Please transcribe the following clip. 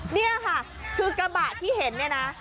นี่ค่ะคือกระบะที่เห็นเนี่ยนะ